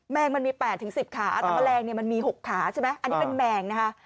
แมงมันมี๘๑๐ขาแต่แมลงเนี่ยมันมี๖ขาใช่ไหมอันนี้เป็นแมงนะคะ